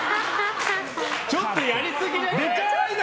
ちょっとやりすぎ！